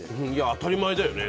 当たり前だよね。